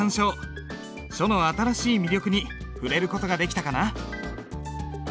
書の新しい魅力に触れる事ができたかな？